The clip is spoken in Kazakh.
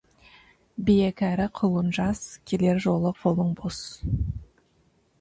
Бие кәрі, құлын жас, келер жолы қолың бос.